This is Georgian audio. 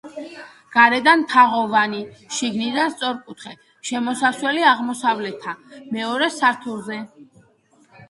გარედან თაღოვანი, შიგნიდან სწორკუთხა შემოსასვლელი აღმოსავლეთითაა, მეორე სართულზე.